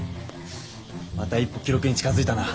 また一歩記録に近づいたな。